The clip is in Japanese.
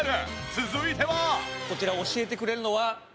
続いては。